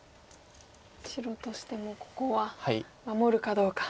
白としてもここは守るかどうか。